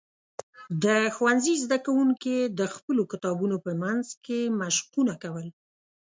د ښوونځي زده کوونکي د خپلو کتابونو په منځ کې مشقونه کول.